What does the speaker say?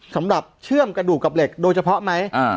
เชื่อมกระดูกกับเหล็กโดยเฉพาะไหม